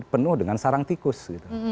penuh dengan sarang tikus